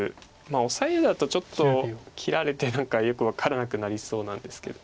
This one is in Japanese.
オサエだとちょっと切られて何かよく分からなくなりそうなんですけど。